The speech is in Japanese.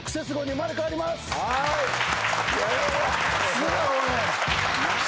すなおい。